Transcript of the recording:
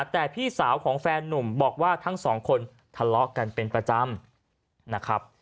แต่พี่สาวของแฟนนุ่มบอกว่าทั้งสองคนทะเลาะกันเป็นประจำนะครับ